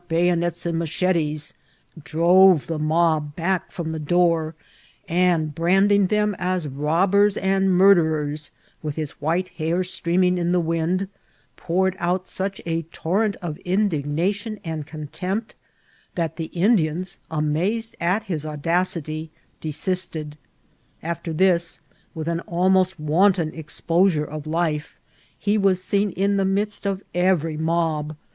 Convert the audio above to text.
L — G o iircisBVTs er tkatbu b>yoneti md mmdiMmf dtow tke mob back bom Ai door, and, branding them at robbers and nmrderen^ with hia white hair atreaming in the wind, poured out aoeh a torrent of indignation and conleoqpt, that the In^ diansy anuoed at hit andaoityy desisted. After this, with an almost wanton exposure of life, he was seea in the midst of erery mob.